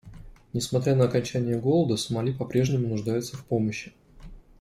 Несмотря на окончание голода, Сомали по-прежнему нуждается в помощи.